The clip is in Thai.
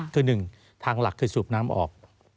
คือ๑ทางหลักคือสูบน้ำออก